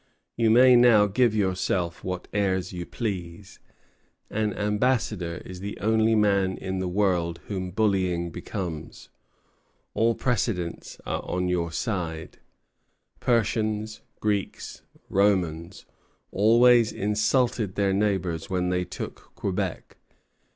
"You may now give yourself what airs you please. An ambassador is the only man in the world whom bullying becomes. All precedents are on your side: Persians, Greeks, Romans, always insulted their neighbors when they took Quebec.